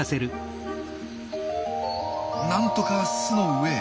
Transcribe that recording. なんとか巣の上へ。